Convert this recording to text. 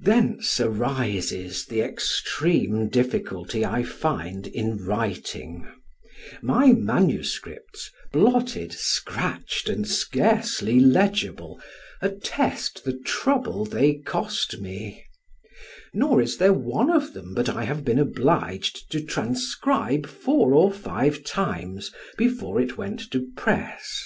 Thence arises the extreme difficulty I find in writing; my manuscripts, blotted, scratched, and scarcely legible, attest the trouble they cost me; nor is there one of them but I have been obliged to transcribe four or five times before it went to press.